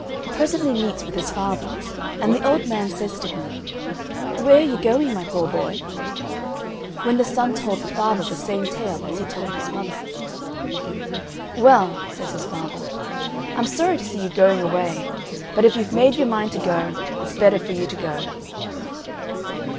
He presently meets with his father, and the old man says to him: "Where are you going, my poor boy?" when the son told the father the same tale as he told his mother. "Well," says his father, "I'm sorry to see you going away, but if you've made your mind to go, it's better for you to go."